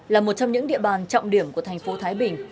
là một trong những địa bàn trọng điểm của thành phố thái bình